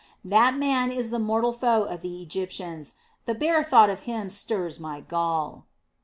That man is the mortal foe of the Egyptians, the bare thought of him stirs my gall."